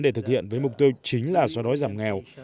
để thực hiện với mục tiêu chính là xóa đói giảm nghèo